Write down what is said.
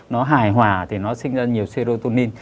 nó hài hòa thì nó sinh ra nhiều serotonin